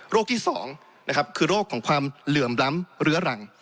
ที่๒นะครับคือโรคของความเหลื่อมล้ำเรื้อรัง